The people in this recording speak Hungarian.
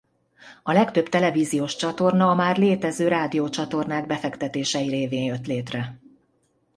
A legtöbb televíziós csatorna a már létező rádió-csatornák befektetései révén jött létre.